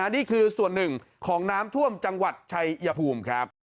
นี่คือส่วนหนึ่งของน้ำท่วมจังหวัดชัยภูมิครับ